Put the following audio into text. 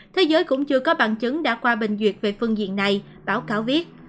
thế giới cũng chưa có bằng chứng đã qua bình duyệt về phương diện này báo cáo viết